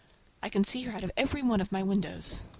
I can see her out of every one of my windows!